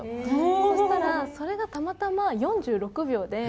そうしたらそれがたまたま４６秒で。